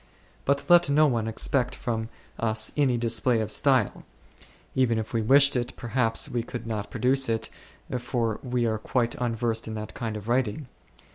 But let no one expect from us any display of style ; even if we wished it, perhaps we could not produce it, for we are quite unversed in that kind of writing.